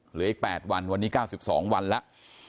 เหลืออีก๘วันวันนี้๙๒วันแล้ว